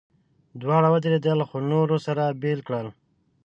دواړه ودرېدل، خو نورو سره بېل کړل.